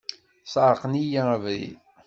Sεerqen-iyi abrid.